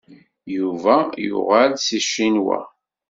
Yuba yuɣal-d seg Ccinwa.